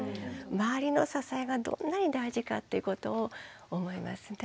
周りの支えがどんなに大事かっていうことを思いますね。